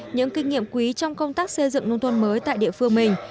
những kinh nghiệm quý trong công tác xây dựng đồng thuận mới tại địa phương mình